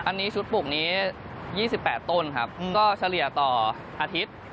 อันนี้ชุดปลูกนี้๒๘ต้นครับก็เฉลี่ยต่ออาทิตย์